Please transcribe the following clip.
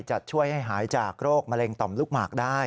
จะช่วยให้หายจากโรคมะเร็งต่อมลูกหมากได้